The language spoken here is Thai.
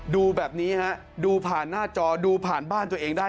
ดูแบบนี้ฮะดูผ่านหน้าจอดูผ่านบ้านตัวเองได้